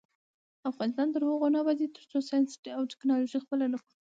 افغانستان تر هغو نه ابادیږي، ترڅو ساینس او ټیکنالوژي خپله نکړو.